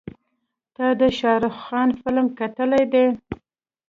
تا د شارخ خان فلم کتلی دی.